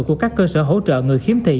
của các cơ sở hỗ trợ người khiếm thị